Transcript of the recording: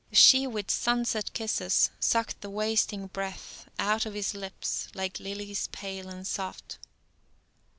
She, with sunset kisses, sucked the wasting breath Out of his lips, like lilies pale and soft.